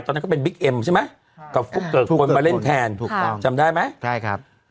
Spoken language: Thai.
ตอนนั้นก็เป็นบิ๊กเอ็มใช่ไหมกับฟุ๊กเกิกคนมาเล่นแทนถูกต้องจำได้ไหมใช่ครับ